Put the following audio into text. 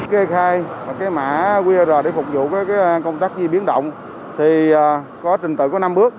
kê khai mã qr để phục vụ công tác di biến động thì có trình tựu có năm bước